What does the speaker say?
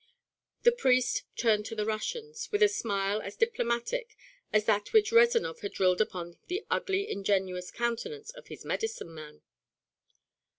The priest turned to the Russians with a smile as diplomatic as that which Rezanov had drilled upon the ugly ingenuous countenance of his medicine man.